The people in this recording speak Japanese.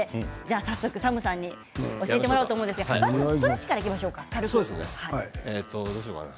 早速、ＳＡＭさんに教えてもらおうと思うんですがまずはストレッチからいきましょうか。